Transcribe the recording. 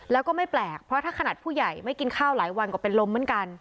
และในขณะผู้ใหญ่หลายวันฯกินค่านี้ก็มีร้อน